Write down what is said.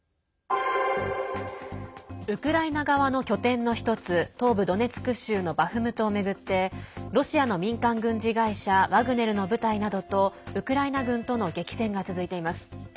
ウクライナ側の拠点の１つ東部ドネツク州のバフムトを巡ってロシアの民間軍事会社ワグネルの部隊などとウクライナ軍との激戦が続いています。